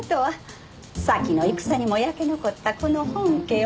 先の戦にも焼け残ったこの本家を。